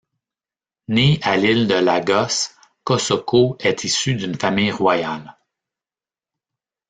Né à l'Île de Lagos, Kosoko est issu d'une famille royale.